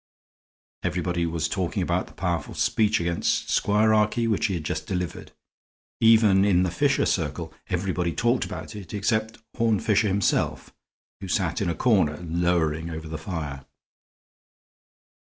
Everybody was talking about the powerful speech against squirarchy which he had just delivered; even in the Fisher circle everybody talked about it except Horne Fisher himself who sat in a corner, lowering over the fire.